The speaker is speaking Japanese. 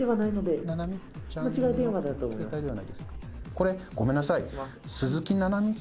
これごめんなさい。